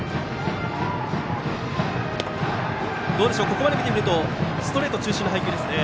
ここまで見ているとストレート中心の配球ですね。